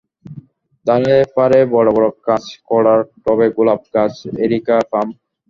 ধারে পারে বড় বড় কাঁচকড়ার টবে গোলাপ গাছ, এরিকা পাম।